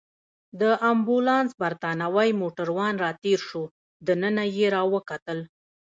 د امبولانس بریتانوی موټروان راتېر شو، دننه يې راوکتل.